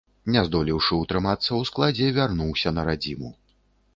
Не здолеўшы утрымацца ў складзе, вярнуўся на радзіму.